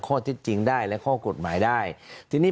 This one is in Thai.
ก็ยังมีปัญหาอยู่เนี่ย